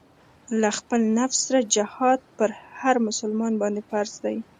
له خپل نفس سره جهاد پر هر مسلمان باندې فرض دی.